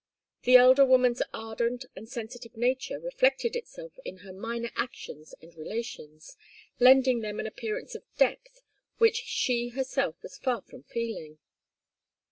The elder woman's ardent and sensitive nature reflected itself in her minor actions and relations, lending them an appearance of depth which she herself was far from feeling.